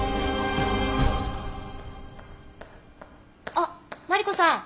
あっマリコさん。